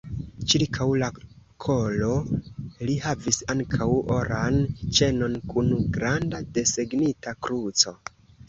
Ĉirkaŭ la kolo li havis ankaŭ oran ĉenon kun granda desegnita kruco.